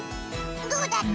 どうだった？